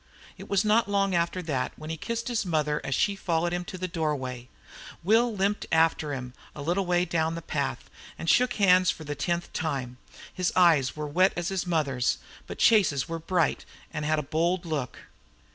It was not long after that when he kissed his mother as she followed him to the doorway. Will limped after him a little way down the path and shook hands for the tenth time. His eyes were wet as his mother's, but Chase's were bright and had a bold look.